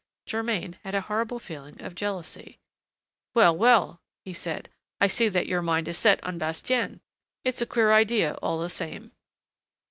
Germain had a horrible feeling of jealousy. "Well, well," he said, "I see that your mind is set on Bastien. It's a queer idea, all the same!"